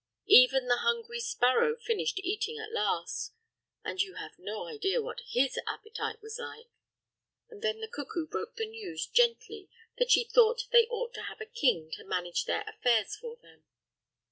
Even the hungry sparrow finished eating at last—and you have no idea what his appetite was like!—and then the cuckoo broke the news gently that she thought they ought to have a king to manage their affairs for them.